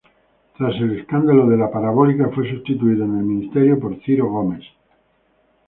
Tras el "escándalo de la parabólica" fue sustituido en el ministerio por Ciro Gomes.